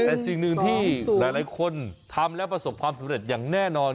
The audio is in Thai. แต่สิ่งหนึ่งที่หลายคนทำแล้วประสบความสำเร็จอย่างแน่นอน